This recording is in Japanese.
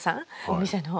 お店の。